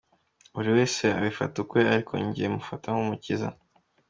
Buri wese abifata ukwe ariko njye mufata nk’umukiza.